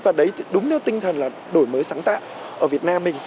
và đấy đúng theo tinh thần là đổi mới sáng tạo ở việt nam mình